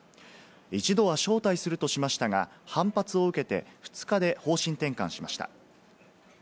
１度は招待するとしましたが、反発を受けて、２日で方針転換しました。